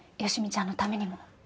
好美ちゃんのためにも。